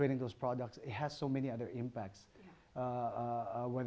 membuat produk produk itu memiliki banyak dampak lain